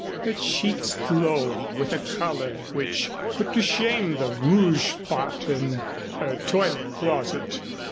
Her cheeks glowed with a color which put to shame the rouge pot in her toilet closet.